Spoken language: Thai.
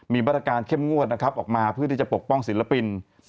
มีมาตรการเข้มงวดนะครับออกมาเพื่อที่จะปกป้องศิลปิน